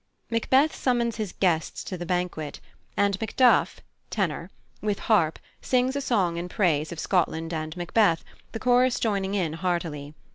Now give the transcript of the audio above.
Macbeth summons his guests to the banquet, and Macduff (tenor), with harp, sings a song in praise of Scotland and Macbeth, the chorus joining in heartily.